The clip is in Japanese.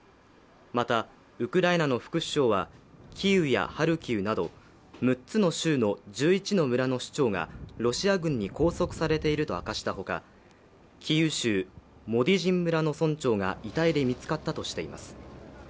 また、ウクライナの副首相はキーウやハルキウなど６つの州の１１の村の首長が、ロシア軍に拘束されていると明かしたほかキーウ州モティジン村の村長が遺体で見つかったとしています。